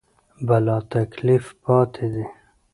بلاتکلیف پاتې دي.